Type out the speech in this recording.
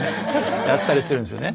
やったりしてるんですよね。